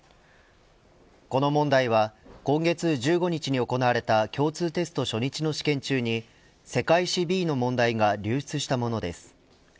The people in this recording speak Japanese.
この問題は今月１５日に行われた共通テスト初日の試験中に世界史Ｂの問題が流出したものです。